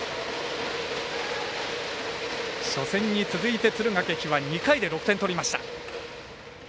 初戦に続いて敦賀気比は２回で６点取りました。